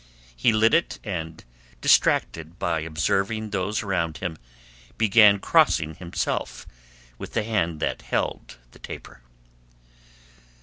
He lit it and, distracted by observing those around him, began crossing himself with the hand that held the taper.